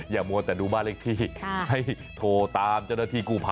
มัวแต่ดูบ้านเลขที่ให้โทรตามเจ้าหน้าที่กู้ภัย